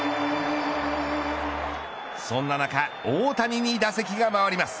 そんな中大谷に打席が回ります。